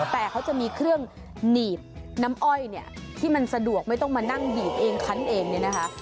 แต่เขาจะมีเครื่องหนีบน้ำอ้อยเนี่ยที่มันสะดวกไม่ต้องมานั่งบีบเองคันเองเนี่ยนะคะ